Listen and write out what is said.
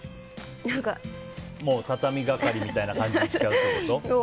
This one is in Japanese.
もう畳係みたいにしちゃうってことか。